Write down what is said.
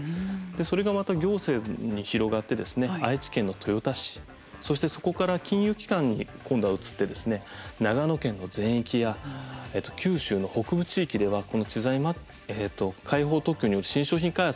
それがまた行政に広がって愛知県の豊田市、そしてそこから金融機関に今度は移って長野県の全域や九州の北部地域では開放特許による新商品開発というのが進み始めています。